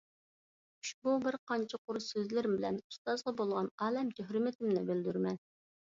ئۇشبۇ بىرقانچە قۇر سۆزلىرىم بىلەن ئۇستازغا بولغان ئالەمچە ھۆرمىتىمنى بىلدۈرىمەن.